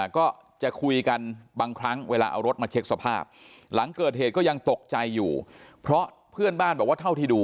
ก็จะคุยกันบางครั้งเวลาเอารถมาเช็คสภาพหลังเกิดเหตุก็ยังตกใจอยู่เพราะเพื่อนบ้านบอกว่าเท่าที่ดู